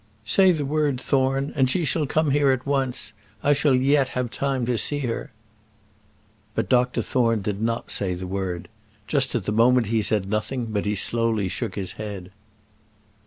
Say the word, Thorne, and she shall come here at once. I shall yet have time to see her." But Dr Thorne did not say the word; just at the moment he said nothing, but he slowly shook his head.